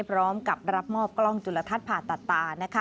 พร้อมกับรับมอบกล้องจุลทัศน์ผ่าตัดตา